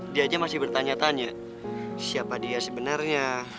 dia aja masih bertanya tanya siapa dia sebenarnya